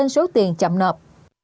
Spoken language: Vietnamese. số tiền chậm nợp